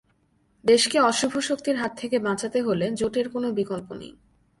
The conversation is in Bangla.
দেশকে অশুভ শক্তির হাত থেকে বাঁচাতে হলে জোটের কোনো বিকল্প নেই।